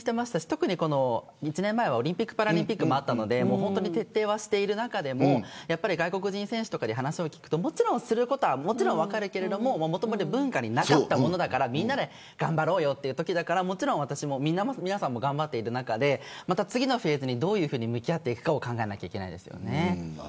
特に１年前はオリンピックパラリンピックもあったので徹底している中でも外国人選手とかに話を聞くとすることはもちろん分かるけれどもともと文化になかったものだからみんなで頑張ろうよというときだから皆さんも頑張っている中で次のフェーズにどう向き合っていくか考えないといけないですよね。